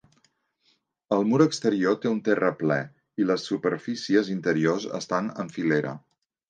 El mur exterior té un terraplè i les superfícies interiors estan en filera.